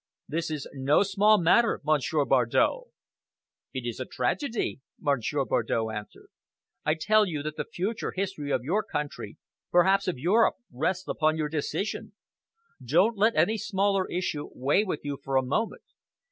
This is no small matter. Monsieur Bardow!" "It is a tragedy," Monsieur Bardow answered. "I tell you that the future history of your country, perhaps of Europe, rests upon your decision. Don't let any smaller issue weigh with you for a moment.